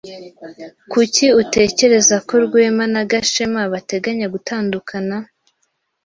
Kuki utekereza ko Rwema na Gashema bateganya gutandukana?